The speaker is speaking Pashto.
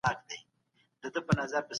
شپاړس منفي يو؛ پنځلس کېږي.